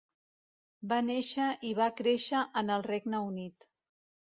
Va néixer i va créixer en el Regne Unit.